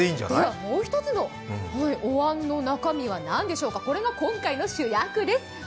もう一つのおわんの中身は何でしょうか、これが今回の主役です。